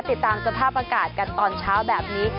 ติดตามสภาพอากาศกันตอนเช้าแบบนี้